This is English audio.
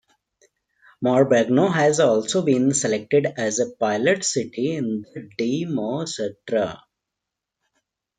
Morbegno has also been selected as a pilot city in the Di.Mo.Stra.